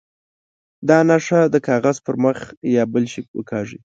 دا نښه د کاغذ پر مخ یا بل شي وکاږي.